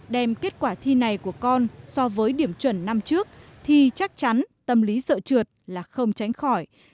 đem kết quả thi này của con so với điểm chuẩn năm trước thì chắc chắn tâm lý sợ trượt là không tránh khỏi